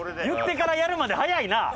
言ってからやるまで早いな！